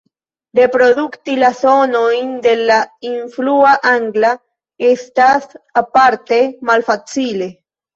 Reprodukti la sonojn de la influa angla estas aparte malfacile.